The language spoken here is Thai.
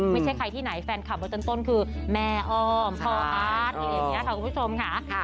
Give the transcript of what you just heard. ไม่ใช่ใครที่ไหนแฟนคลับเบอร์ต้นคือแม่อ้อมพ่ออาร์ตอะไรอย่างนี้ค่ะคุณผู้ชมค่ะ